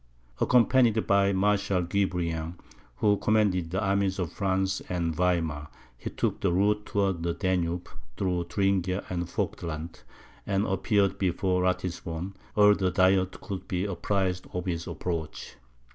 Accompanied by Marshal Guebriant, who commanded the armies of France and Weimar, he took the route towards the Danube, through Thuringia and Vogtland, and appeared before Ratisbon, ere the Diet could be apprised of his approach.